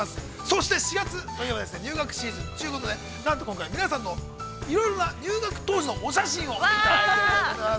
◆そして、４月入学シーズンということで、入学シーズンということで、皆さんのいろいろな入学当時のお写真をいただいております。